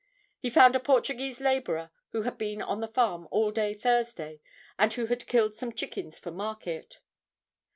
He found a Portuguese laborer who had been on the farm all day Thursday and who had killed some chickens for market.